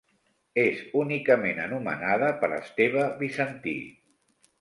És únicament anomenada per Esteve Bizantí.